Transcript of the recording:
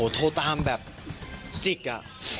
โทรตามแบบจิกอ่ะ